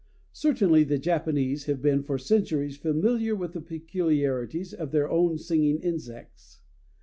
Certainly the Japanese have been for centuries familiar with the peculiarities of their own singing insects.